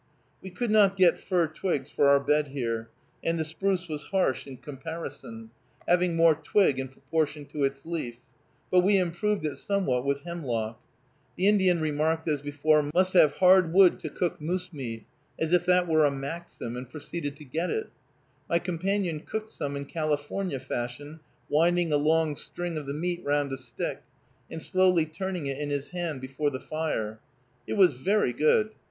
We could not get fir twigs for our bed here, and the spruce was harsh in comparison, having more twig in proportion to its leaf, but we improved it somewhat with hemlock. The Indian remarked as before, "Must have hard wood to cook moose meat," as if that were a maxim, and proceeded to get it. My companion cooked some in California fashion, winding a long string of the meat round a stick and slowly turning it in his hand before the fire. It was very good.